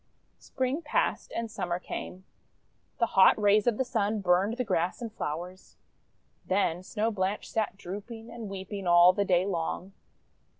Spring passed, and Summer came. The hot rays of the Sun burned the grass and flowers. Then Snow Blanche sat drooping and weeping all the day long.